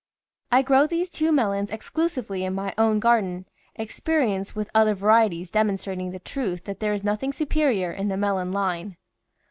I grow these two melons exclusively in my own garden, experience with other varieties demon strating the truth that there is nothing superior in the melon line.